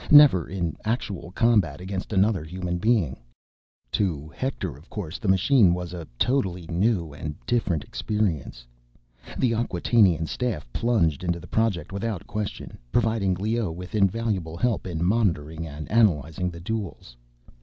Never in actual combat against another human being. To Hector, of course, the machine was a totally new and different experience. The Acquatainian staff plunged into the project without question, providing Leoh with invaluable help in monitoring and analyzing the duels.